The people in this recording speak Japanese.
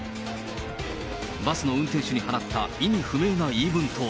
バスの運転手に放った意味不明な言い分とは。